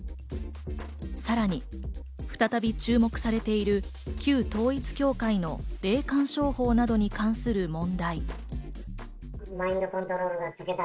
さらに、再び注目されている旧統一教会の霊感商法などに関する問題。